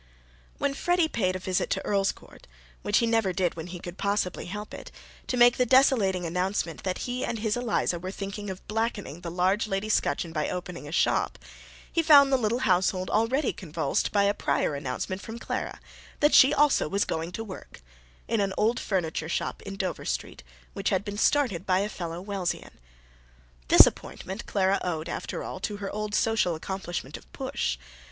When Freddy paid a visit to Earlscourt (which he never did when he could possibly help it) to make the desolating announcement that he and his Eliza were thinking of blackening the Largelady scutcheon by opening a shop, he found the little household already convulsed by a prior announcement from Clara that she also was going to work in an old furniture shop in Dover Street, which had been started by a fellow Wellsian. This appointment Clara owed, after all, to her old social accomplishment of Push.